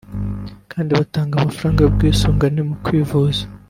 kandi bagatanga amafaranga y’ubwisungane mu kwivuza